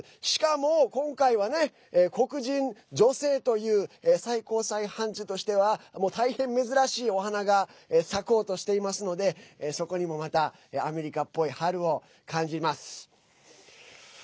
しかも、今回はね黒人女性という最高裁判事としては大変珍しいお花が咲こうとしていますのでそこにもまたアメリカっぽい春を感じます。